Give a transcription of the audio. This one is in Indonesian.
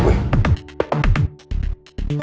gue kecewa banget sama bokap gue